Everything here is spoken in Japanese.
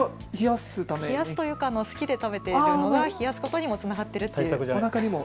冷やすというか好きで食べているのが冷やすことにもつながっているという。